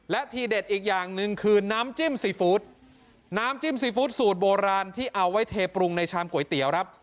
และทีเด็ดอีกอย่างหนึ่งคือน้ำจิ้มซีฟู้ดน้ำจิ้มซีฟู้ดสูตรโบราณที่เอาไว้เทปรุงในชามก๋วยเตี๋ยวครับ